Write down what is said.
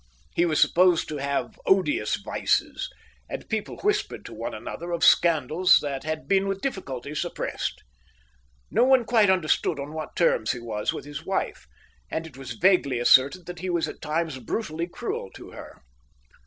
He was supposed to have odious vices, and people whispered to one another of scandals that had been with difficulty suppressed. No one quite understood on what terms he was with his wife, and it was vaguely asserted that he was at times brutally cruel to her.